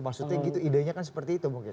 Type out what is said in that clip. maksudnya gitu idenya kan seperti itu mungkin